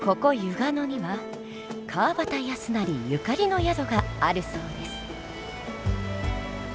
野には川端康成ゆかりの宿があるそうです。